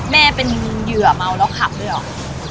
แม่เป็นเหยื่อเมาแล้วขับด้วยเหรอ